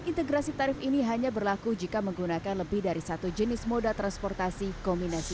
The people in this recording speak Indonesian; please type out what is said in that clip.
integrasi tarif ini hanya berlaku jika menggunakan lebih dari satu jenis moda transportasi kombinasi